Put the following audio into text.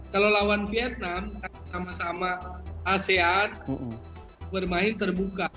kalau lawan vietnam sama sama asean bermain terbuka